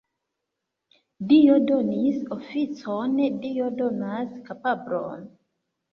Dio donis oficon, Dio donas kapablon.